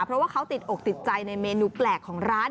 เพราะว่าเขาติดอกติดใจในเมนูแปลกของร้าน